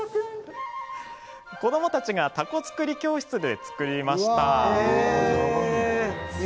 子どもたちがたこ作り教室で作りました。